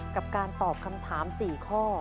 กับการตอบคำถาม๔ข้อ